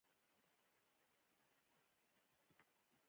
د کړکیو او سونګ توکو په توګه هم کار اخلي.